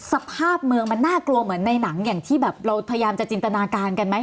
สภาพเมืองมันน่ากลัวเหมือนในหนังอย่างที่แบบเราพยายามจะจินตนาการกันไหม